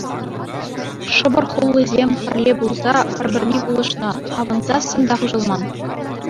Шӑпӑр хуллисем, пӗрле пулса, пӗр-пӗрне пулӑшнӑ, авӑнсассӑн та хуҫӑлман.